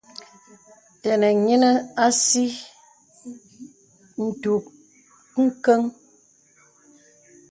Tə́nə̀ nyinə asì ntǔ kəŋ.